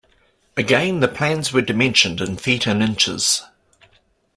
Again, the plans were dimensioned in feet and inches.